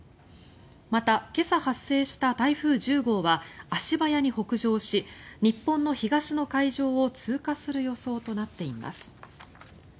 また今朝発生した台風１０号は足早に北上し日本の東の海上を通過する予想となっています。